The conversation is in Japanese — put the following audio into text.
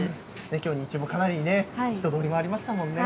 きょう、日中もかなりね、人通りもありましたもんね。